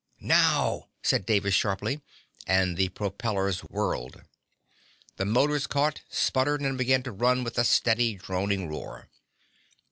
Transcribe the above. "Now!" said Davis sharply, and the propellers whirled. The motors caught, sputtered, and began to run with a steady, droning roar.